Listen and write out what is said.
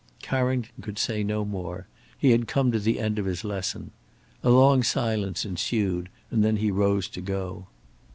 Carrington could say no more. He had come to the end of his lesson. A long silence ensued and then he rose to go.